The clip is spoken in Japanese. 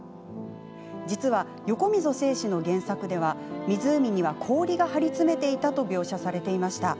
実は、横溝正史の原作では湖には氷が張り詰めていたと描写されていました。